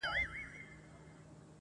امن په دې خاوره کې، دا ستړی ولس غواړي